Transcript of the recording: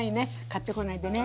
買ってこないでね。